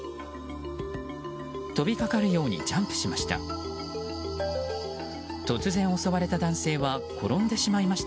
飛びかかるようにジャンプしました。